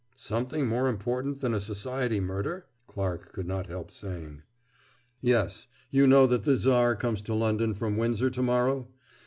"Something more important than a society murder?" Clarke could not help saying. "Yes. You know that the Tsar comes to London from Windsor to morrow?